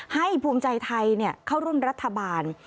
ภูมิใจไทยเข้าร่วมรัฐบาล